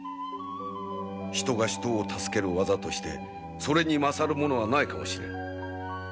人が人を助ける技としてそれに勝るものはないかもしれぬ。